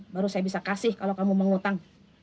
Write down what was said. baru saya bisa kasih kalau kamu mau ngutang